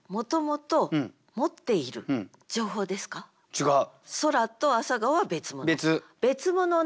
違う。